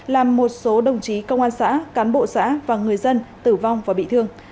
làm một số đồng chí công an xã cán bộ xã và người dân tử vong và bị thương